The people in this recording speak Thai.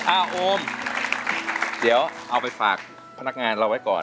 โอมเดี๋ยวเอาไปฝากพนักงานเราไว้ก่อน